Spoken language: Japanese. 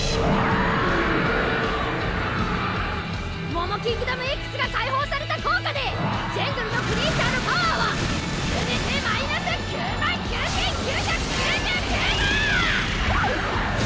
モモキングダムＸが解放された効果でジェンドルのクリーチャーのパワーはすべてマイナス９９，９９９だ！